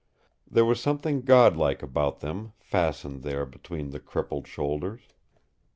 There was something god like about them, fastened there between the crippled shoulders.